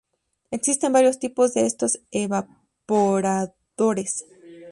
Existen varios tipos de estos evaporadores.